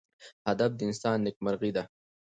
هدف د انسان نیکمرغي ده.